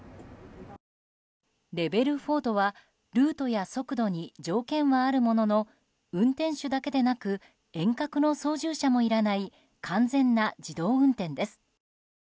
レベル４とはルートや速度に条件はあるものの運転手だけでなく遠隔の操縦者もいらない完全な自動運転です。